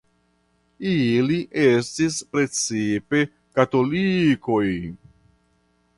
Ili estis precipe katolikoj.